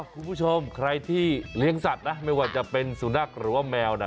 คุณผู้ชมใครที่เลี้ยงสัตว์นะไม่ว่าจะเป็นสุนัขหรือว่าแมวนะ